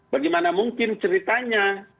bagaimana mungkin ceritanya